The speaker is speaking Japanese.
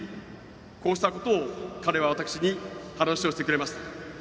こうしたことを彼は私に話をしてくれました。